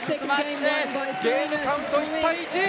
ゲームカウント１対１！